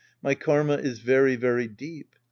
My karma is very very deep.